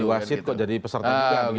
jadi wasit kok jadi peserta